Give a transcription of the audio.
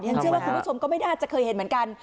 เชื่อว่าคุณผู้ชมก็ไม่น่าจะเคยเห็นเหมือนกัน